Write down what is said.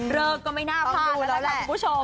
ก็ไม่น่าพลาดแล้วล่ะคุณผู้ชม